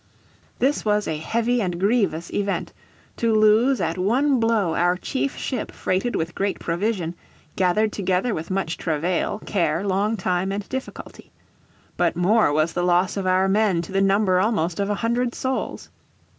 "This was a heavy and grievous event, to lose at one blow our chief ship freighted with great provision, gathered together with much travail, care, long time, and difficulty. But more was the loss of our men to the number almost of a hundred souls."